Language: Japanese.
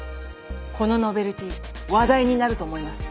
このノベルティ話題になると思います。